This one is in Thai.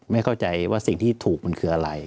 ไม่เข้าใจว่าสิ่งที่ถูกมันคืออะไร